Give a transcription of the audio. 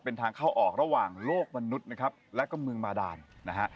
เป็นทางเข้าออกระหว่างโลกมนุษย์นะครับแล้วก็เมืองมาดานนะฮะ